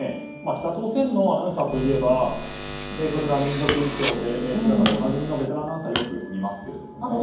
北朝鮮のアナウンサーといえば民族衣装の姿でおなじみのベテランアナウンサーをよく見ますけれどもね。